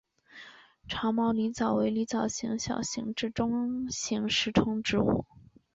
长毛狸藻为狸藻属小型至中型食虫植物。